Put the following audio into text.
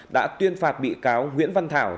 đã tuyên phạt bị cáo nguyễn văn thảo